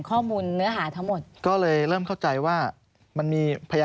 ข้อมูลเนื้อหาเท่าหมดก็เลยเริ่มเข้าใจว่ามันมีพยายาม